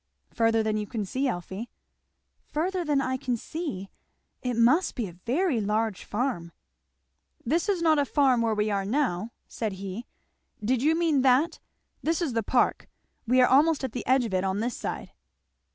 "Further than you can see, Elfie." "Further than I can see! It must be a very large farm!" "This is not a farm where we are now," said he; "did you mean that? this is the park; we are almost at the edge of it on this side."